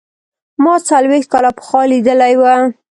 ما څلوېښت کاله پخوا لیدلی و.